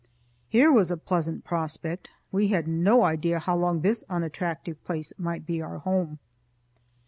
Here was a pleasant prospect. We had no idea how long this unattractive place might be our home.